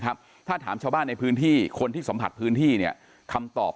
ครับถ้าถามชาวบ้านในพื้นที่คนที่สัมผัสพื้นที่เนี่ยคำตอบ